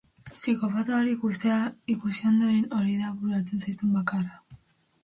Psikopata hori ikusi ondoren hori da bururatzen zaizun bakarra?